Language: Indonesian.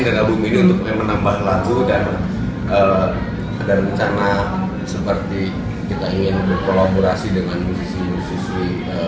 dan album ini untuk menambah lagu dan rencana seperti kita ingin berkolaborasi dengan musisi musisi